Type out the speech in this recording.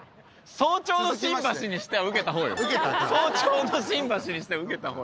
早朝の新橋にしてはウケたほう。